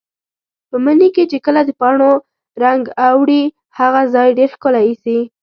په مني کې چې کله د پاڼو رنګ اوړي، هغه ځای ډېر ښکلی ایسي.